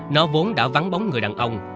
nó vốn đã vắng bóng người đàn ông